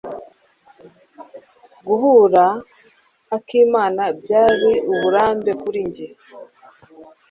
Guhura akimana byari uburambe kuri njye.